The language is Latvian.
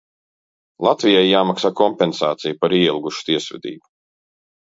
Latvijai jāmaksā kompensācija par ieilgušu tiesvedību.